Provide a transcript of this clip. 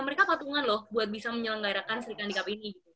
mereka patungan loh buat bisa menyelenggarakan sri kandi cup ini